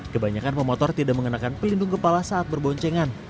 kebanyakan pemotor tidak mengenakan pelindung kepala saat berboncengan